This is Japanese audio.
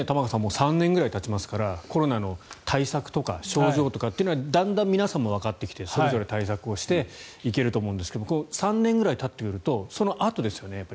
３年ぐらいたちますからコロナの対策とか症状というのはだんだん皆さんもわかってきてそれぞれ対策していけると思うんですが３年ぐらいたってくるとそのあとですよね、やっぱり。